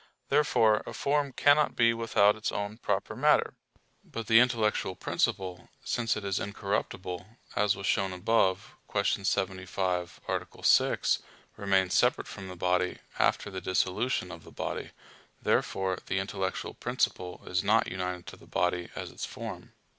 Therefore a form cannot be without its own proper matter. But the intellectual principle, since it is incorruptible, as was shown above (Q. 75, A. 6), remains separate from the body, after the dissolution of the body. Therefore the intellectual principle is not united to the body as its form.